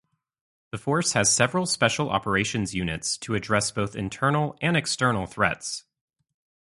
The Force has several Special Operations units to address both internal and external threats.